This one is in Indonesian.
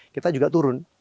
kita juga turun